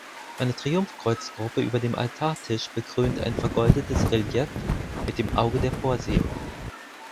Eine Triumphkreuzgruppe über dem Altartisch bekrönt ein vergoldetes Relief mit dem Auge der Vorsehung.